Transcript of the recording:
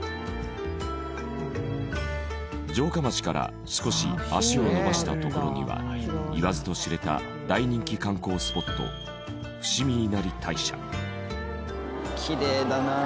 城下町から少し足を延ばした所には言わずと知れた大人気観光スポットきれいだな！